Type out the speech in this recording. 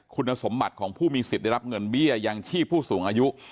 คุณสมบัติของผู้มีสิทธิ์ได้รับเงินเบี้ยยังชีพผู้สูงอายุ